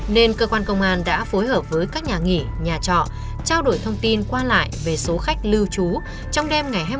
nên cơ quan công an đã phối hợp với các nhà nghỉ nhà trọ trao đổi thông tin qua lại về số khách lưu trú trong đêm ngày hai mươi một tháng sáu năm hai nghìn một mươi ba